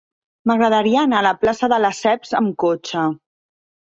M'agradaria anar a la plaça de Lesseps amb cotxe.